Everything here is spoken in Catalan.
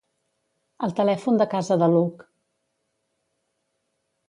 El telèfon de casa de l'Hug.